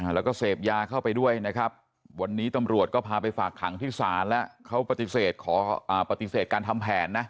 แล้วก็เสพยาเข้าไปด้วยนะครับวันนี้ตำรวจก็พาไปฝากขังที่ศาลแล้วเขาปฏิเสธขอปฏิเสธการทำแผนนะ